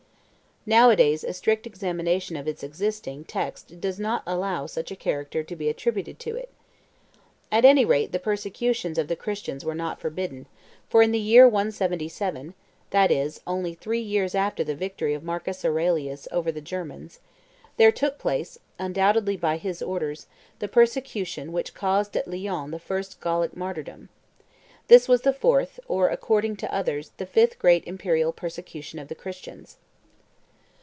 Nowadays a strict examination of its existing text does not allow such a character to be attributed to it. At any rate the persecutions of the Christians were not forbidden, for in the year 177, that is, only three years after the victory of Marcus Aurelius over the Germans, there took place, undoubtedly by his orders, the persecution which caused at Lyons the first Gallic martyrdom. This was the fourth, or, according to others, the fifth great imperial persecution of the Christians.